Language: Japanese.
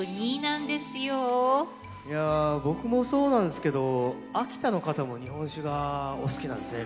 僕もそうなんですけど秋田の方も日本酒がお好きなんですね。